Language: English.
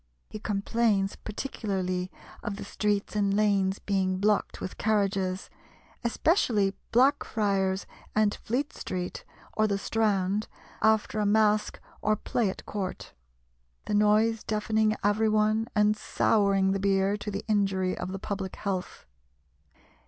He complains particularly of the streets and lanes being blocked with carriages, especially Blackfriars and Fleet Street or the Strand after a masque or play at court; the noise deafening every one and souring the beer, to the injury of the public health.